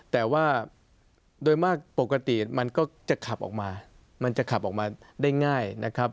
แต่ว่าโดยมากปกติมันก็จะขับออกมามันจะขับออกมาได้ง่ายนะครับ